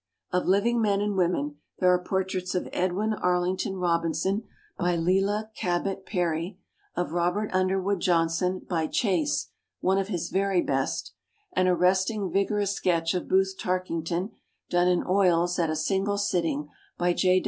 Of living men and women, there are portraits of Edwin Arlington Robinson by Lilla Cabot Perry, of Robert Underwood Johnson by Chase — one of his very best —, an arresting, vigorous sketch of Booth Tarkington done in oils at a single sit ting by J.